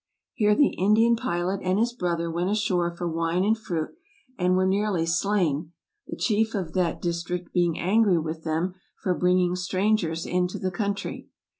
'' Here the Indian pilot and his brother went ashore for wine and fruit, and were nearly slain, the chief of that dis trict being angry with them for bringing strangers into the country.